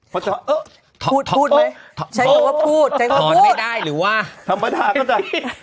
พอจะเอ้าพูดพูดไหมพูดพูดพูดหอญไม่ได้หรือว่าธรรมดาก็จะ